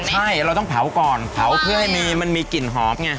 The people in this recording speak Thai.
ใช่เราต้องเผาก่อนเผาเพื่อให้มีมันมีกลิ่นหอมไง